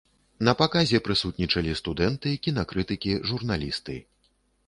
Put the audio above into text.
На паказе прысутнічалі студэнты, кінакрытыкі, журналісты.